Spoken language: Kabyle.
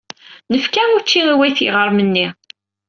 Nefka učči i wayt yiɣrem-nni.